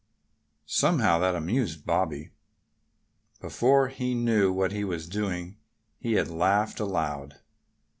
Somehow that amused Bobby. Before he knew what he was doing he had laughed aloud.